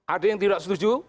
ada yang tidak setuju